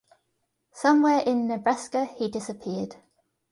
Somewhere in Nebraska he disappeared.